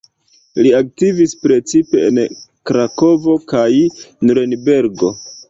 Li aktivis precipe en Krakovo kaj Nurenbergo.